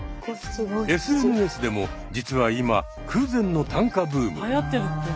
ＳＮＳでも実は今空前の短歌ブーム。